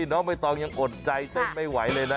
น้องใบตองยังอดใจเต้นไม่ไหวเลยนะ